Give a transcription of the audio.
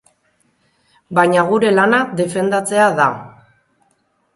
Baina gure lana defendatzea da.